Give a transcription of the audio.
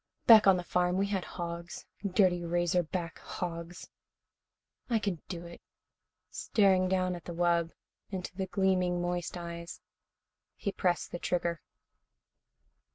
"Back on the farm we had hogs, dirty razor back hogs. I can do it." Staring down at the wub, into the gleaming, moist eyes, he pressed the trigger.